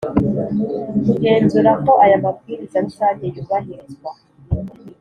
kugenzura ko aya Mabwiriza rusange yubahirizwa